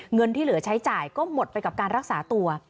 เงินที่เหลือใช้จ่ายก็หมดไปกับการรักษาตัว